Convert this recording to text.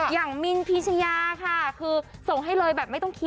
มินพีชยาค่ะคือส่งให้เลยแบบไม่ต้องคิด